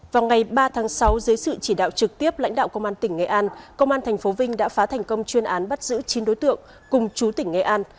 vào ngày ba tháng sáu dưới sự chỉ đạo trực tiếp lãnh đạo công an tỉnh nghệ an công an tp vinh đã phá thành công chuyên án bắt giữ chín đối tượng cùng chú tỉnh nghệ an